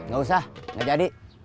gak usah gak jadi